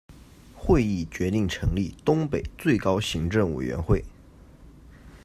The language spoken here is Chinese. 会议决定成立东北最高行政委员会。